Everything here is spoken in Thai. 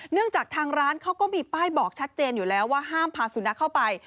จากทางร้านเขาก็มีป้ายบอกชัดเจนอยู่แล้วว่าห้ามพาสุนัขเข้าไป